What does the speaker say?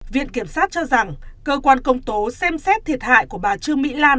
viện kiểm sát cho rằng cơ quan công tố xem xét thiệt hại của bà trương mỹ lan